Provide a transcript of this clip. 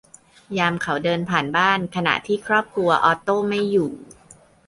ยามเขาเดินผ่านบ้านขณะที่ครอบครัวออตโตไม่อยู่